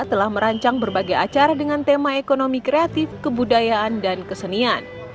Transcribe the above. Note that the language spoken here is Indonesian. telah merancang berbagai acara dengan tema ekonomi kreatif kebudayaan dan kesenian